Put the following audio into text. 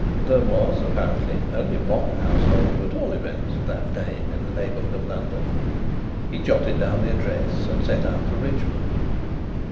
There was, apparently, only one householder at all events of that name in the neighbourhood of London. He jotted down the address and set out for Richmond.